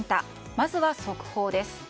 まずは速報です。